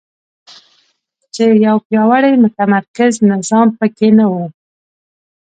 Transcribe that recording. چې یو پیاوړی متمرکز نظام په کې نه وو.